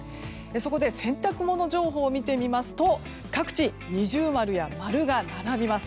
そこで洗濯物情報を見てみますと各地、二重丸や丸が並びます。